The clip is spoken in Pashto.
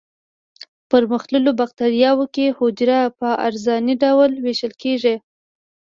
په پرمختللو بکټریاوو کې حجره په عرضاني ډول ویشل کیږي.